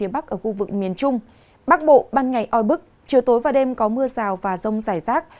bắc bộ ban ngày oi bức chiều tối và đêm có mưa rào và rông rải rác